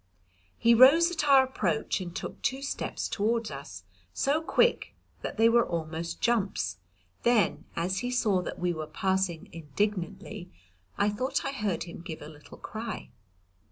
He rose at our approach and took two steps toward us, so quick that they were almost jumps, then as he saw that we were passing indignantly I thought I heard him give a little cry.